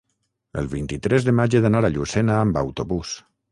El vint-i-tres de maig he d'anar a Llucena amb autobús.